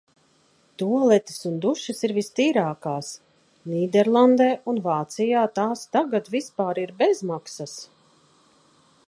Tualetes un dušas ir vistīrākās! Nīderlandē un Vācijā tās tagad vispār ir bezmaksas.